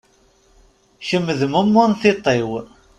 Kem d mummu n tiṭ-iw.